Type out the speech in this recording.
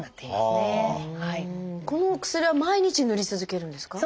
この薬は毎日塗り続けるんですか？